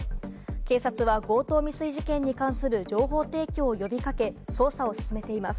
警察は強盗未遂事件に関する情報提供を呼びかけ、捜査を進めています。